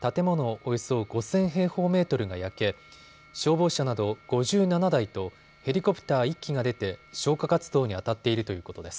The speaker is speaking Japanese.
およそ５０００平方メートルが焼け消防車など５７台とヘリコプター１機が出て消火活動に当たっているということです。